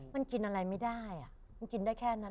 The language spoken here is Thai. มันกินอะไรไม่ได้มันกินได้แค่นั้น